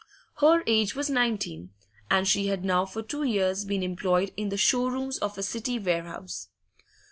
Her age was nineteen, and she had now for two years been employed in the show rooms of a City warehouse.